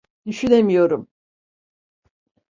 Düşünemiyorum.